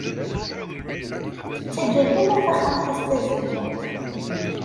Tettaǧǧa dima taxxamt-is d tazeddgant.